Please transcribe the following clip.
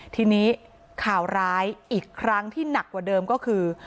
ทีนี้ข่าวร้ายอีกครั้งที่หนักกว่าเดิมก็คือ